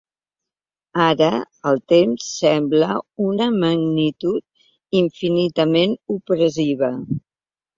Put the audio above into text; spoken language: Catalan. Ara el temps sembla una magnitud infinitament opressiva.